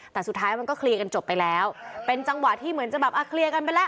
แต่สุดท้ายมันก็เคลียร์กันจบไปแล้วเป็นจังหวะที่เหมือนจะแบบอ่ะเคลียร์กันไปแล้ว